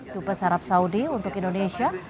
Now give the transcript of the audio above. dupes harap saudi untuk indonesia